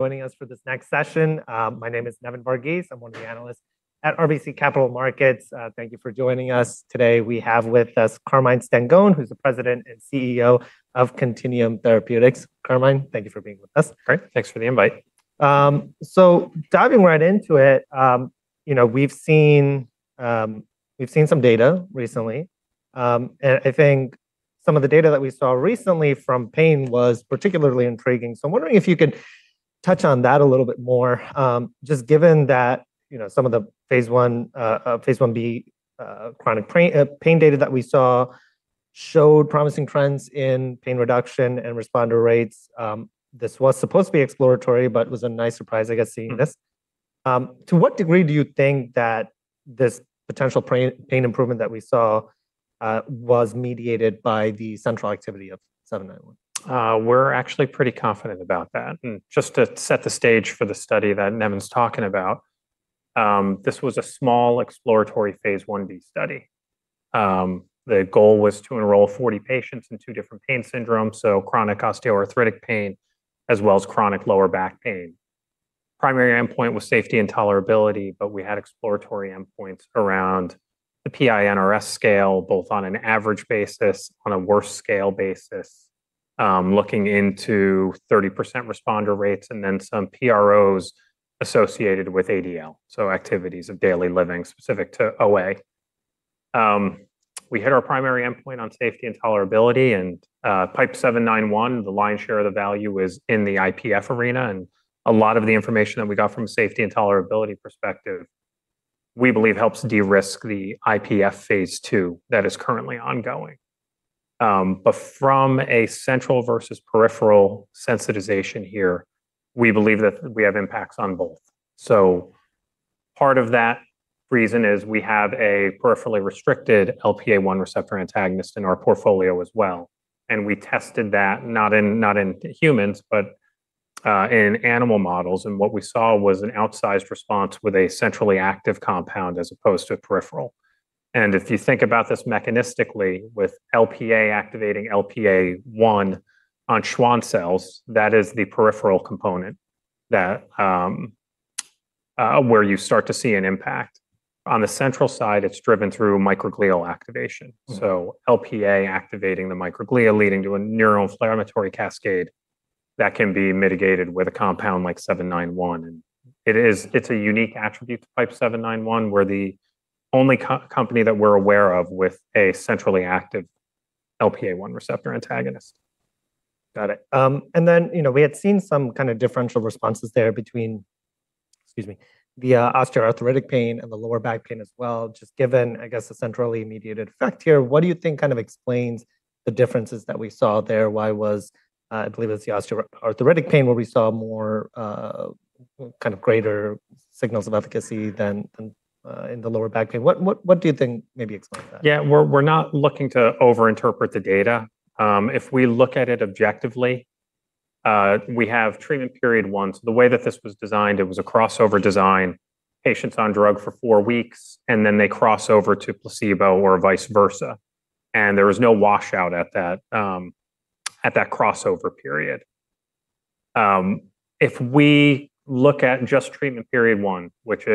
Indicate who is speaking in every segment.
Speaker 1: Joining us for this next session. My name is Nevin Varghese. I'm one of the analysts at RBC Capital Markets. Thank you for joining us today. We have with us Carmine Stengone, who's the President and Chief Executive Officer of Contineum Therapeutics. Carmine, thank you for being with us.
Speaker 2: Great. Thanks for the invite.
Speaker 1: Diving right into it, you know, we've seen, we've seen some data recently. I think some of the data that we saw recently from pain was particularly intriguing. I'm wondering if you could touch on that a little bit more, just given that, you know, some of the phase I, phase I-B, chronic pain data that we saw showed promising trends in pain reduction and responder rates. This was supposed to be exploratory, but it was a nice surprise, I guess, seeing this. To what degree do you think that this potential pain improvement that we saw, was mediated by the central activity of 791?
Speaker 2: We're actually pretty confident about that. Just to set the stage for the study that Nevin's talking about, this was a small exploratory phase I-B study. The goal was to enroll 40 patients in two different pain syndromes, so chronic osteoarthritic pain as well as chronic lower back pain. Primary endpoint was safety and tolerability. We had exploratory endpoints around the PI-NRS scale, both on an average basis, on a worst scale basis, looking into 30% responder rates. Then some PROs associated with ADL, so activities of daily living specific to OA. We hit our primary endpoint on safety and tolerability. PIPE-791, the lion's share of the value was in the IPF arena. A lot of the information that we got from a safety and tolerability perspective we believe helps de-risk the IPF phase II that is currently ongoing. From a central versus peripheral sensitization here, we believe that we have impacts on both. Part of that reason is we have a peripherally restricted LPA1 receptor antagonist in our portfolio as well. We tested that not in humans, but in animal models. What we saw was an outsized response with a centrally active compound as opposed to a peripheral. If you think about this mechanistically with LPA activating LPA1 on Schwann cells, that is the peripheral component that where you start to see an impact. On the central side, it's driven through microglial activation. LPA activating the microglia leading to a neuroinflammatory cascade that can be mitigated with a compound like PIPE-791. It's a unique attribute to PIPE-791. We're the only co-company that we're aware of with a centrally active LPA1 receptor antagonist.
Speaker 1: Got it. You know, we had seen some kind of differential responses there between, excuse me, the osteoarthritic pain and the lower back pain as well, just given, I guess, the centrally mediated effect here. What do you think kind of explains the differences that we saw there? Why was, I believe it's the osteoarthritic pain where we saw more, kind of greater signals of efficacy than in the lower back pain? What do you think maybe explained that?
Speaker 2: Yeah. We're not looking to overinterpret the data. We look at it objectively, we have treatment period 1. The way that this was designed, it was a crossover design, patients on drug for four weeks, and then they cross over to placebo or vice versa. There was no washout at that at that crossover period. We look at just treatment period one, which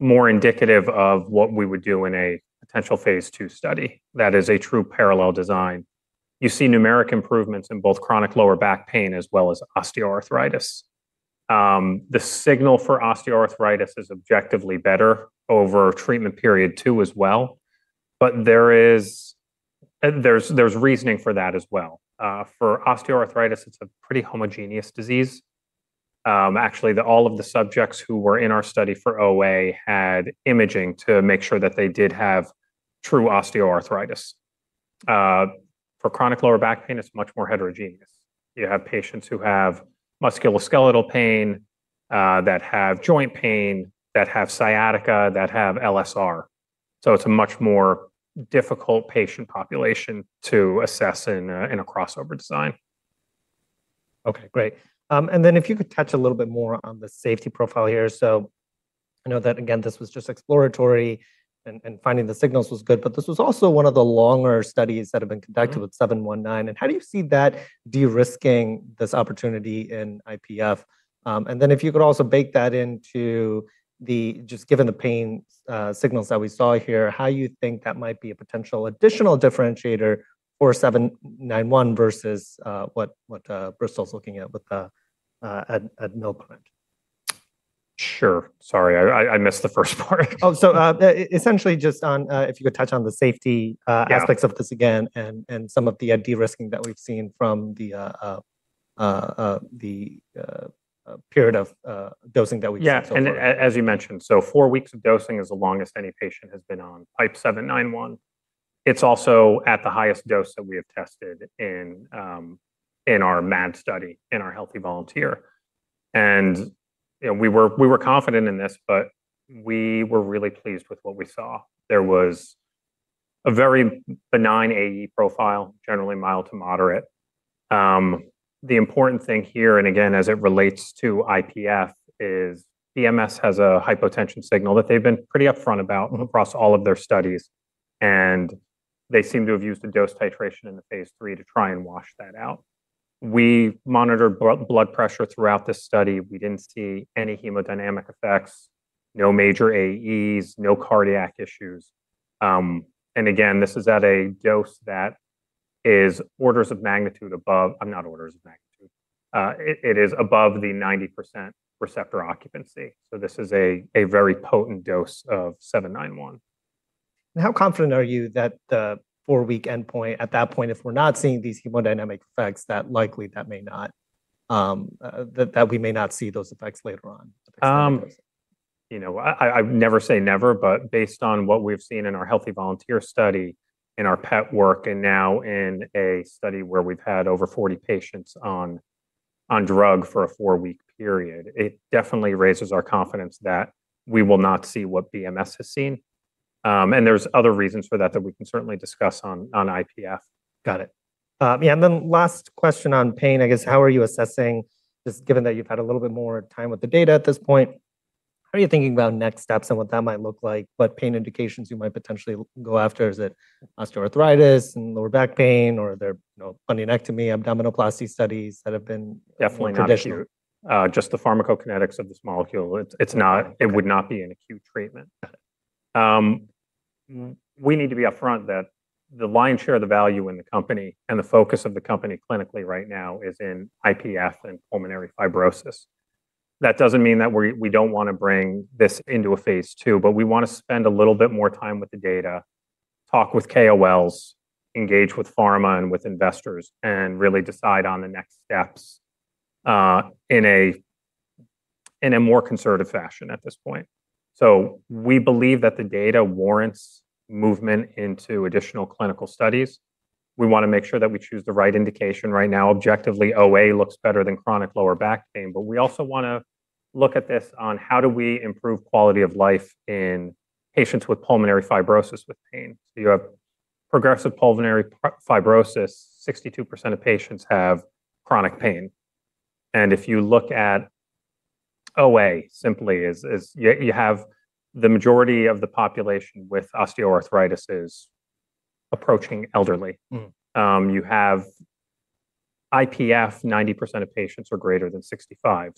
Speaker 2: is more indicative of what we would do in a potential phase II study, that is a true parallel design. You see numeric improvements in both chronic lower back pain as well as osteoarthritis. The signal for osteoarthritis is objectively better over treatment period two as well, there's reasoning for that as well. For osteoarthritis, it's a pretty homogeneous disease. Actually all of the subjects who were in our study for OA had imaging to make sure that they did have true osteoarthritis. For chronic lower back pain, it's much more heterogeneous. You have patients who have musculoskeletal pain, that have joint pain, that have sciatica, that have LSS. It's a much more difficult patient population to assess in a crossover design.
Speaker 1: Okay. Great. Then if you could touch a little bit more on the safety profile here. I know that, again, this was just exploratory and finding the signals was good, but this was also one of the longer studies that have been conducted. with 791. How do you see that de-risking this opportunity in IPF? If you could also bake that just given the pain signals that we saw here, how you think that might be a potential additional differentiator for 791 versus what Bristol's looking at with the admilparant.
Speaker 2: Sure. Sorry, I missed the first part.
Speaker 1: Essentially, just on if you could touch on the safety?
Speaker 2: Yeah
Speaker 1: aspects of this again and some of the de-risking that we've seen from the period of dosing that we've seen so far.
Speaker 2: Yeah. As you mentioned, four weeks of dosing is the longest any patient has been on PIPE-791. It's also at the highest dose that we have tested in our MAD study in our healthy volunteer. You know, we were confident in this, but we were really pleased with what we saw. There was a very benign AE profile, generally mild to moderate. The important thing here, and again as it relates to IPF, is BMS has a hypotension signal that they've been pretty upfront about across all of their studies. They seem to have used the dose titration in the phase III to try and wash that out. We monitored blood pressure throughout this study. We didn't see any hemodynamic effects, no major AEs, no cardiac issues. Again, this is at a dose that is orders of magnitude above not orders of magnitude. It is above the 90% receptor occupancy. This is a very potent dose of 791.
Speaker 1: How confident are you that the four-week endpoint, at that point, if we're not seeing these hemodynamic effects, that likely that may not that we may not see those effects later on at the higher dose?
Speaker 2: you know, I never say never, but based on what we've seen in our healthy volunteer study, in our pet work, and now in a study where we've had over 40 patients on drug for a four-week period, it definitely raises our confidence that we will not see what BMS has seen. There's other reasons for that that we can certainly discuss on IPF.
Speaker 1: Got it. Yeah, last question on pain, I guess, how are you assessing Just given that you've had a little bit more time with the data at this point, how are you thinking about next steps and what that might look like? What pain indications you might potentially go after? Is it osteoarthritis and lower back pain or are there, you know, bunionectomy, abdominoplasty studies that have been, you know, traditional?
Speaker 2: Definitely not acute. Just the pharmacokinetics of this molecule, it would not be an acute treatment.
Speaker 1: Got it.
Speaker 2: We need to be upfront that the lion's share of the value in the company and the focus of the company clinically right now is in IPF and pulmonary fibrosis. That doesn't mean that we don't wanna bring this into a phase II, we wanna spend a little bit more time with the data, talk with KOLs, engage with pharma and with investors, and really decide on the next steps in a more conservative fashion at this point. We believe that the data warrants movement into additional clinical studies. We wanna make sure that we choose the right indication. Right now, objectively, OA looks better than chronic lower back pain, we also wanna look at this on how do we improve quality of life in patients with pulmonary fibrosis with pain. You have progressive pulmonary fibrosis, 62% of patients have chronic pain. If you look at OA simply is you have the majority of the population with osteoarthritis is approaching elderly. You have IPF, 90% of patients are greater than 65.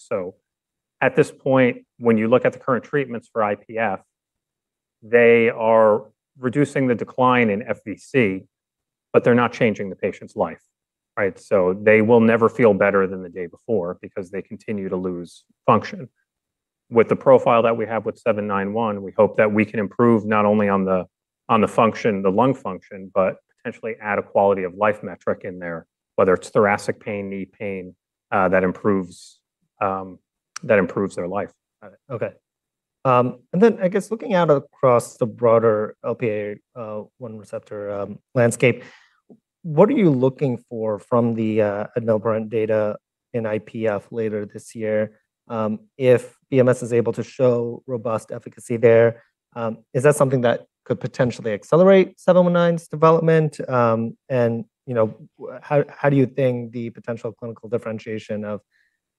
Speaker 2: At this point, when you look at the current treatments for IPF, they are reducing the decline in FVC, but they're not changing the patient's life, right? They will never feel better than the day before because they continue to lose function. With the profile that we have with 791, we hope that we can improve not only on the function, the lung function, but potentially add a quality of life metric in there, whether it's thoracic pain, knee pain, that improves their life.
Speaker 1: Got it. Okay. I guess looking out across the broader LPA1 receptor landscape, what are you looking for from the admilparant data in IPF later this year? If BMS is able to show robust efficacy there, is that something that could potentially accelerate PIPE-791's development? You know, how do you think the potential clinical differentiation of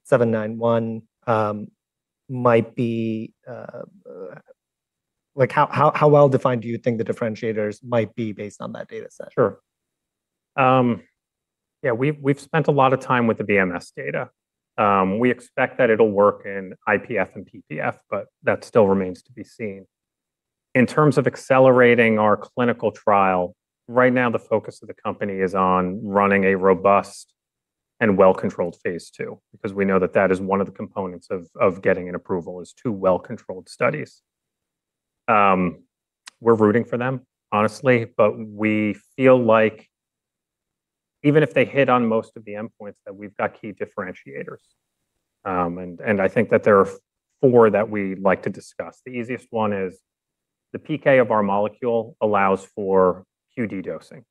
Speaker 1: PIPE-791 might be, like how well-defined do you think the differentiators might be based on that data set?
Speaker 2: Sure. Yeah, we've spent a lot of time with the BMS data. We expect that it'll work in IPF and PPF, that still remains to be seen. In terms of accelerating our clinical trial, right now the focus of the company is on running a robust and well-controlled phase II, because we know that that is one of the components of getting an approval is two well-controlled studies. We're rooting for them, honestly, we feel like even if they hit on most of the endpoints, that we've got key differentiators. I think that there are four that we'd like to discuss. The easiest one is the PK of our molecule allows for QD dosing,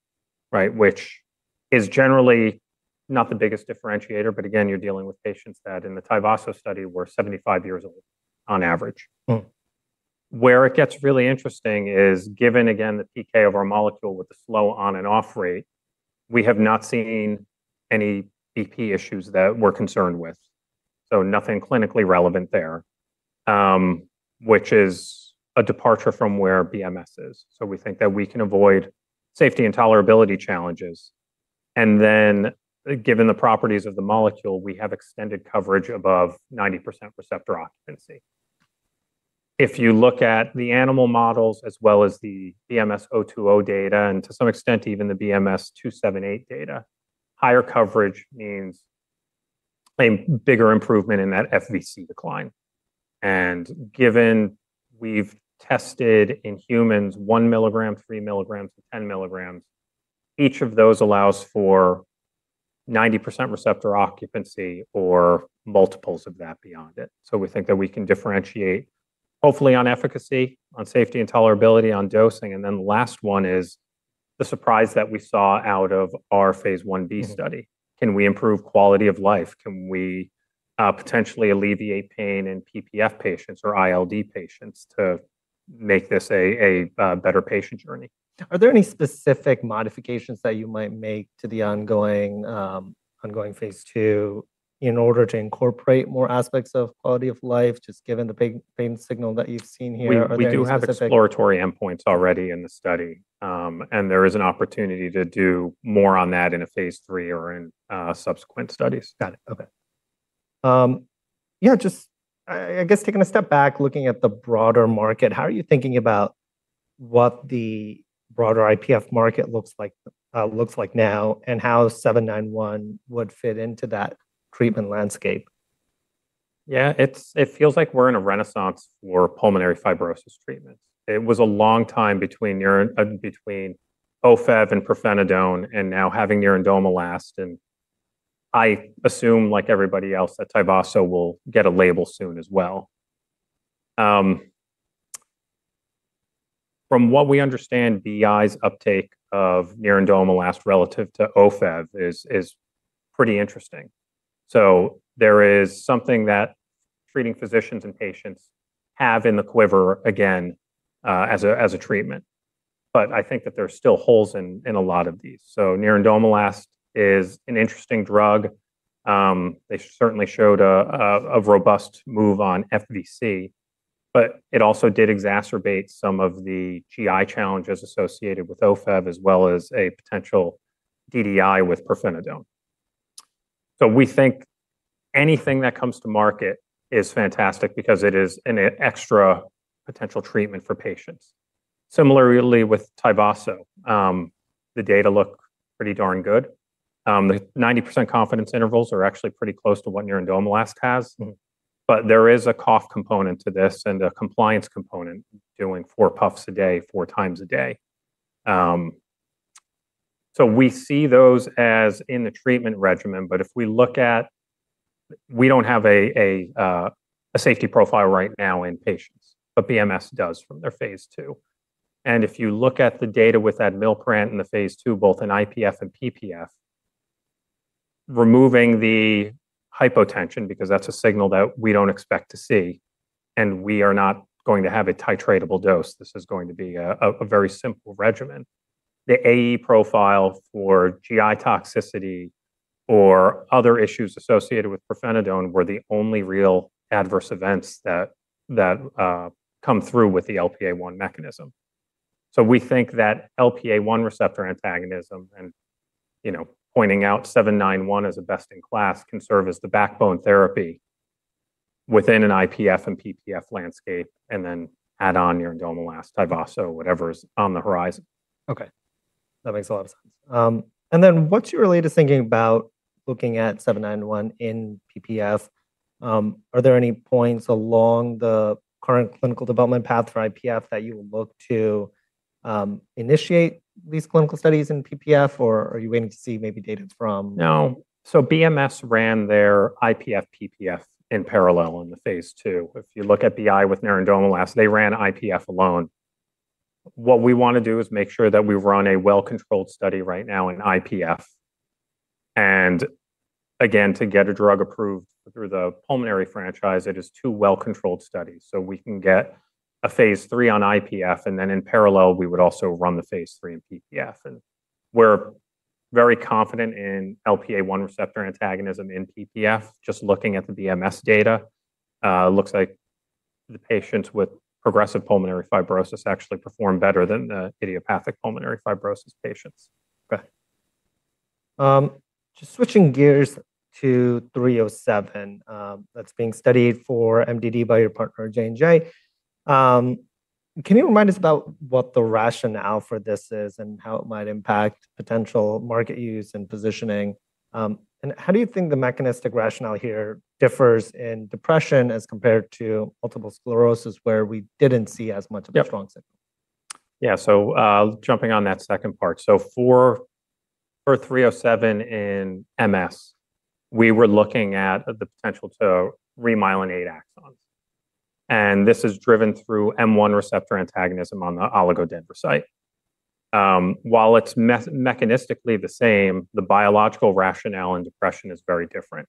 Speaker 2: right? Which is generally not the biggest differentiator, again, you're dealing with patients that in the TYVASO study were 75 years old on average. Where it gets really interesting is given again the PK of our molecule with the slow on and off rate, we have not seen any BP issues that we're concerned with. Nothing clinically relevant there, which is a departure from where BMS is. We think that we can avoid safety and tolerability challenges. Given the properties of the molecule, we have extended coverage above 90% receptor occupancy. If you look at the animal models as well as the BMS-986020 data, and to some extent even the BMS-986278 data, higher coverage means a bigger improvement in that FVC decline. Given we've tested in humans 1 milligram, 3 milligrams, and 10 milligrams, each of those allows for 90% receptor occupancy or multiples of that beyond it. We think that we can differentiate hopefully on efficacy, on safety and tolerability, on dosing. The last one is the surprise that we saw out of our phase I-B study. Can we improve quality of life? Can we potentially alleviate pain in PPF patients or ILD patients to make this a better patient journey?
Speaker 1: Are there any specific modifications that you might make to the ongoing phase II in order to incorporate more aspects of quality of life, just given the big pain signal that you've seen here?
Speaker 2: We do have exploratory endpoints already in the study. There is an opportunity to do more on that in a phase III or in subsequent studies.
Speaker 1: Got it. Okay. Yeah, just I guess taking a step back, looking at the broader market, how are you thinking about what the broader IPF market looks like now, and how 791 would fit into that treatment landscape?
Speaker 2: Yeah. It feels like we're in a renaissance for pulmonary fibrosis treatments. It was a long time between OFEV and pirfenidone, now having nerandomilast, I assume, like everybody else, that TYVASO will get a label soon as well. From what we understand, BI's uptake of nerandomilast relative to OFEV is pretty interesting. There is something that treating physicians and patients have in the quiver again, as a treatment. I think that there's still holes in a lot of these. Nerandomilast is an interesting drug. They certainly showed a robust move on FVC, it also did exacerbate some of the GI challenges associated with OFEV as well as a potential DDI with pirfenidone. We think anything that comes to market is fantastic because it is an extra potential treatment for patients. Similarly with TYVASO, the data look pretty darn good. The 90% confidence intervals are actually pretty close to what nerandomilast has. There is a cough component to this and a compliance component doing four puffs a day, four times a day. We see those as in the treatment regimen. If we look at We don't have a safety profile right now in patients, but BMS does from their phase II. If you look at the data with admilparant in the phase II, both in IPF and PPF, removing the hypotension, because that's a signal that we don't expect to see, and we are not going to have a titratable dose. This is going to be a very simple regimen. The AE profile for GI toxicity or other issues associated with pirfenidone were the only real adverse events that come through with the LPA1 mechanism. We think that LPA1 receptor antagonism and, you know, pointing out PIPE-791 as a best in class can serve as the backbone therapy within an IPF and PPF landscape, and then add on nerandomilast, TYVASO, whatever's on the horizon.
Speaker 1: Okay. That makes a lot of sense. What's your related thinking about looking at PIPE-791 in PPF? Are there any points along the current clinical development path for IPF that you would look to initiate these clinical studies in PPF, or are you waiting to see maybe data from.
Speaker 2: No. BMS ran their IPF PPF in parallel in the phase II. If you look at BI with nerandomilast, they ran IPF alone. What we want to do is make sure that we run a well-controlled study right now in IPF and again, to get a drug approved through the pulmonary franchise, it is two well-controlled studies. We can get a phase III on IPF, and then in parallel, we would also run the phase III in PPF. We're very confident in LPA1 receptor antagonism in PPF. Just looking at the BMS data, looks like the patients with progressive pulmonary fibrosis actually perform better than the idiopathic pulmonary fibrosis patients.
Speaker 1: Okay. Just switching gears to PIPE-307, that's being studied for MDD by your partner, J&J. Can you remind us about what the rationale for this is and how it might impact potential market use and positioning? How do you think the mechanistic rationale here differs in depression as compared to multiple sclerosis.
Speaker 2: Yeah
Speaker 1: a strong signal?
Speaker 2: Yeah. Jumping on that second part. For 307 in MS, we were looking at the potential to remyelinate axons, and this is driven through M1 receptor antagonism on the oligodendrocyte. While it's mechanistically the same, the biological rationale in depression is very different.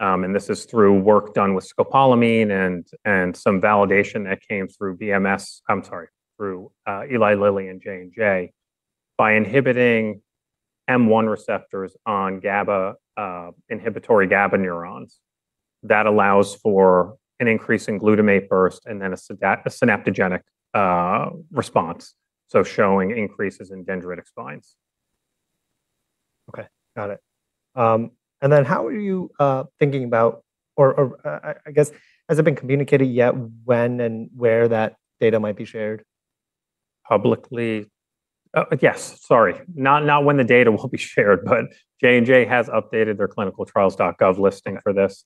Speaker 2: This is through work done with scopolamine and some validation that came through BMS, I'm sorry, through Eli Lilly and J&J, by inhibiting M1 receptors on GABA inhibitory GABA neurons. That allows for an increase in glutamate burst and then a synaptogenic response, so showing increases in dendritic spines
Speaker 1: Okay. Got it. Then how are you thinking about, I guess, has it been communicated yet when and where that data might be shared?
Speaker 2: Publicly. Yes. Sorry. Not when the data will be shared. J&J has updated their clinicaltrials.gov listing for this.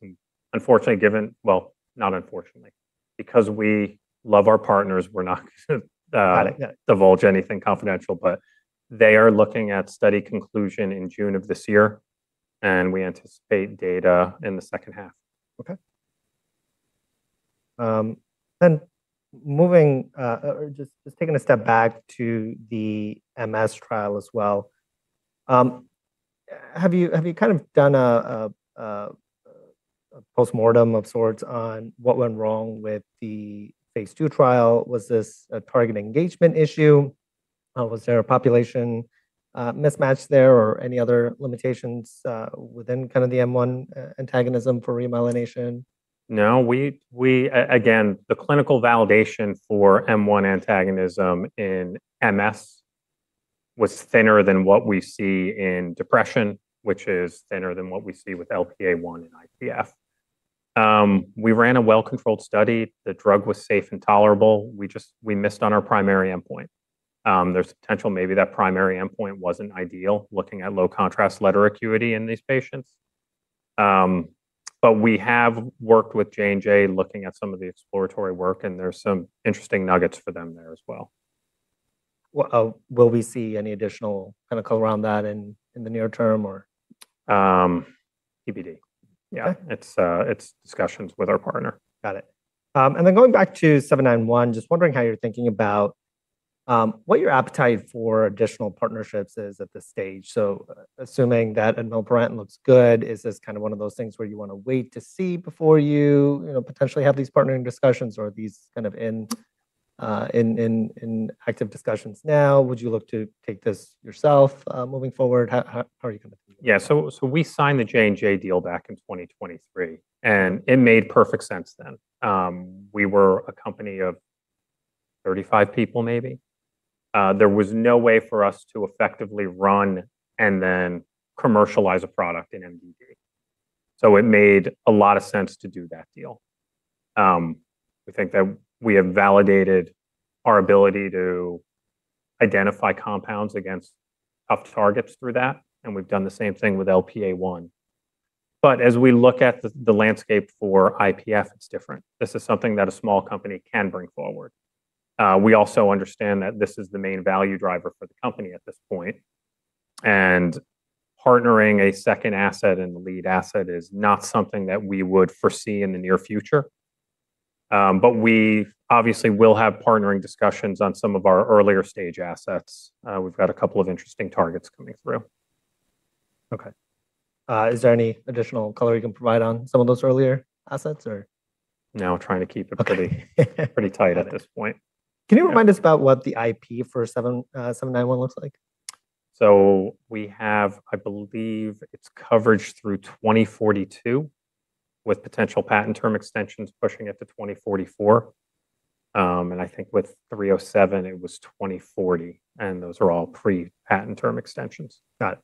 Speaker 2: Unfortunately. Well, not unfortunately. Because we love our partners, we're not gonna.
Speaker 1: Got it. Yeah.
Speaker 2: Divulge anything confidential, but they are looking at study conclusion in June of this year, and we anticipate data in the second half.
Speaker 1: Okay. Taking a step back to the MS trial as well. Have you kind of done a postmortem of sorts on what went wrong with the phase II trial? Was this a target engagement issue? Was there a population mismatch there or any other limitations within kind of the M1 antagonism for remyelination?
Speaker 2: No. We, again, the clinical validation for M1 antagonism in MS was thinner than what we see in depression, which is thinner than what we see with LPA1 and IPF. We ran a well-controlled study. The drug was safe and tolerable. We just missed on our primary endpoint. There's potential maybe that primary endpoint wasn't ideal, looking at low contrast letter acuity in these patients. We have worked with J&J looking at some of the exploratory work, and there's some interesting nuggets for them there as well.
Speaker 1: Well, will we see any additional kind of color around that in the near term or?
Speaker 2: TBD.
Speaker 1: Okay.
Speaker 2: Yeah. It's discussions with our partner.
Speaker 1: Got it. Going back to PIPE-791, just wondering how you're thinking about what your appetite for additional partnerships is at this stage. Assuming that admilparant looks good, is this kind of one of those things where you wanna wait to see before you know, potentially have these partnering discussions? Are these kind of in active discussions now? Would you look to take this yourself moving forward? How are you competing?
Speaker 2: We signed the J&J deal back in 2023. It made perfect sense then. We were a company of 35 people maybe. There was no way for us to effectively run and then commercialize a product in MDD. It made a lot of sense to do that deal. We think that we have validated our ability to identify compounds against tough targets through that. We've done the same thing with LPA1. As we look at the landscape for IPF, it's different. We also understand that this is the main value driver for the company at this point. Partnering a second asset and lead asset is not something that we would foresee in the near future. We obviously will have partnering discussions on some of our earlier stage assets. We've got a couple of interesting targets coming through.
Speaker 1: Okay. Is there any additional color you can provide on some of those earlier assets or?
Speaker 2: No.
Speaker 1: Okay.
Speaker 2: pretty tight at this point.
Speaker 1: Can you remind us about what the IP for 7, 791 looks like?
Speaker 2: We have, I believe it's coverage through 2042 with potential patent term extensions pushing it to 2044. I think with 307 it was 2040, and those are all pre-patent term extensions.
Speaker 1: Got it.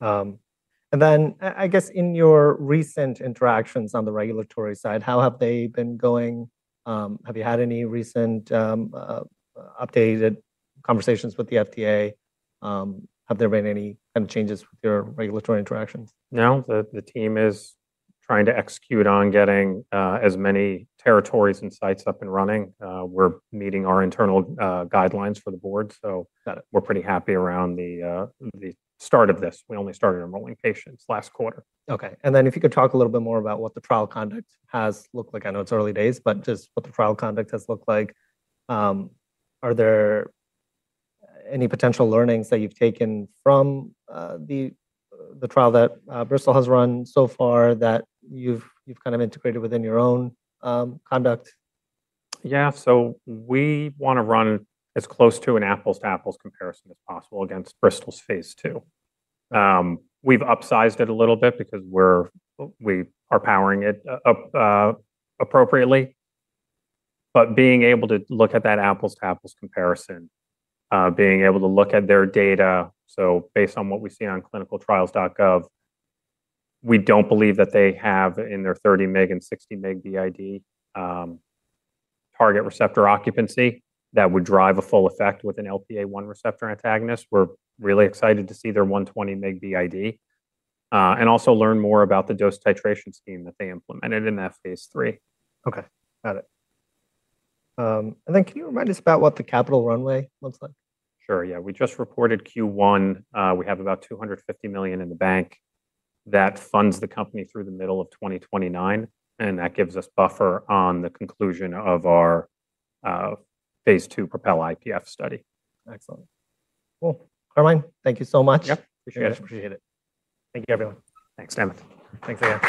Speaker 1: I guess in your recent interactions on the regulatory side, how have they been going? Have you had any recent, updated conversations with the FDA? Have there been any kind of changes with your regulatory interactions?
Speaker 2: No. The team is trying to execute on getting as many territories and sites up and running. We're meeting our internal guidelines for the board.
Speaker 1: Got it.
Speaker 2: We're pretty happy around the start of this. We only started enrolling patients last quarter.
Speaker 1: Okay. If you could talk a little bit more about what the trial conduct has looked like. I know it's early days, but just what the trial conduct has looked like. Are there any potential learnings that you've taken from the trial that Bristol has run so far that you've kind of integrated within your own conduct?
Speaker 2: Yeah. We wanna run as close to an apples to apples comparison as possible against Bristol's phase II. We've upsized it a little bit because we are powering it up, appropriately. Being able to look at that apples to apples comparison, being able to look at their data. Based on what we see on clinicaltrials.gov, we don't believe that they have in their 30 mg and 60 mg BID, target receptor occupancy that would drive a full effect with an LPA1 receptor antagonist. We're really excited to see their 120 mg BID, and also learn more about the dose titration scheme that they implemented in that phase III.
Speaker 1: Okay. Got it. Then can you remind us about what the capital runway looks like?
Speaker 2: Sure, yeah. We just reported Q1. We have about $250 million in the bank. That funds the company through the middle of 2029, and that gives us buffer on the conclusion of our phase II PROPEL-IPF study.
Speaker 1: Excellent. Well, Carmine, thank you so much.
Speaker 2: Yep.
Speaker 1: Appreciate it.
Speaker 2: Yes, appreciate it. Thank you, everyone.
Speaker 1: Thanks, Carmine. Thanks, again.